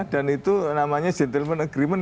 dan itu namanya gentleman agreement